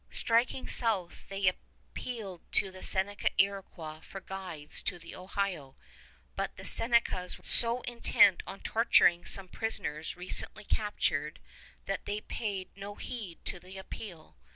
Striking south, they appealed to the Seneca Iroquois for guides to the Ohio, but the Senecas were so intent on torturing some prisoners recently captured, that they paid no heed to the appeal.